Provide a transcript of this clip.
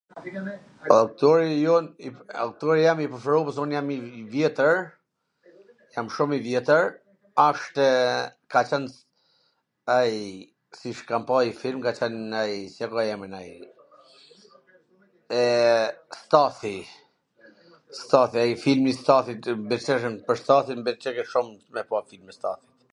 Autori jon, autori jem i preferum, se un jam i vjetwr, jam shum i vjetwr, ashtw Kazan .. ai si kam pa njw film, ka qwn ai, si e ka emrin ai, eee Stathi, Stathi, ai filmi i Stathit, besoj pwr Stathin besoj se pwr Stathin mw pwlqente shum me pa film me Stathin,